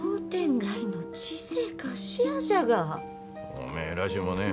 おめえらしゅうもねえ。